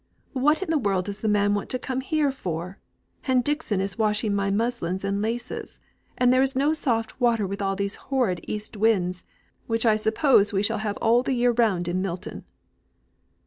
What in the world does the man want to come here for? And Dixon is washing my muslins and laces, and there is no soft water with these horrid east winds, which I suppose we shall have all the year round in Milton.